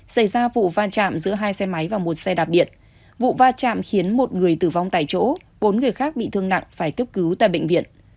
xảy ra vụ va chạm giữa hai xe máy và một xe đạp điện vụ va chạm khiến một người tử vong tại chỗ bốn người khác bị thương nặng phải cấp cứu tại bệnh viện